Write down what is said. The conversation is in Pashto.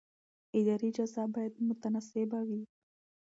اداري جزا باید متناسبه وي.